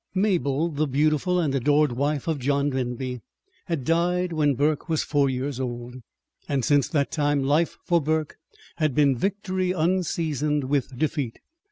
Mabel, the beautiful and adored wife of John Denby, had died when Burke was four years old; and since that time, life, for Burke, had been victory unseasoned with defeat.